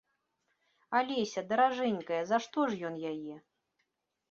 Алеся, даражэнькая за што ж ён яе?